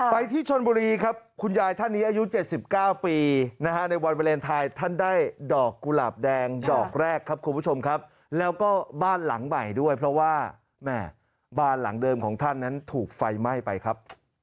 ไปที่ชนบุรีครับคุณยายท่านนี้อายุ๗๙ปีนะฮะในวันวาเลนไทยท่านได้ดอกกุหลาบแดงดอกแรกครับคุณผู้ชมครับแล้วก็บ้านหลังใหม่ด้วยเพราะว่าแม่บ้านหลังเดิมของท่านนั้นถูกไฟไหม้ไปครับ